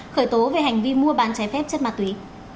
khởi tố về hành vi mua bàn cháy phép chất ma túy